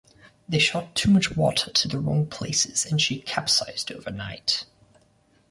They shot too much water to the wrong places and she capsized overnight.